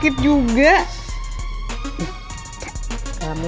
kita nyuri juri kesan sama orangbc itu